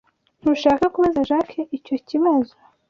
Ntushaka kubaza Jack icyo kibazo.